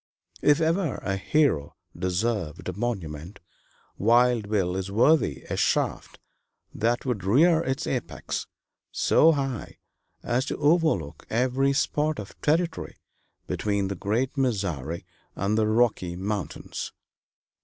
If ever a hero deserved a monument, Wild Bill is worthy a shaft that would rear its apex so high as to overlook every spot of territory between the great Missouri and the Rocky Mountains.